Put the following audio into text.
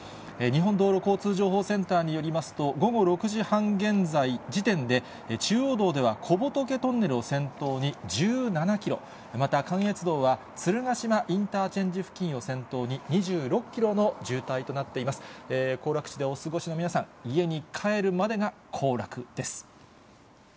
日本道路交通情報センターによりますと、午後６時半時点で、中央道では小仏トンネルを先頭に１７キロ、また、関越道は鶴ヶ島インターチェンジ付近を先頭に２６キロの渋滞とな家に帰るまでが行楽です。